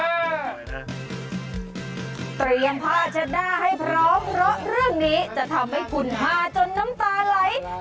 เตรียมผ้าเช็ดหน้าให้พร้อมเพราะเรื่องนี้จะทำให้คุณฮาจนน้ำตาไหล